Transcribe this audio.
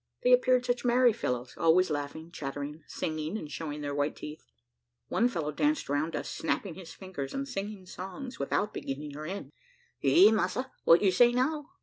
They appeared such merry fellows, always laughing, chattering, singing and showing their white teeth. One fellow danced round us snapping his fingers and singing songs without beginning or end. "Eh, massa, what you say now?